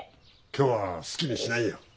今日は好きにしなや。